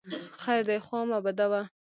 خیر دی خوا مه بدوه !